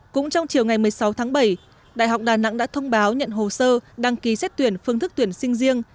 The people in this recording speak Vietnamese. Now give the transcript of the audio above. cũng trong chiều ngày một mươi sáu tháng bảy đại học đà nẵng đã thông báo nhận hồ sơ đăng ký xét tuyển phương thức tuyển sinh riêng